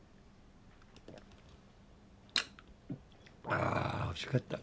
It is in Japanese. あおいしかった。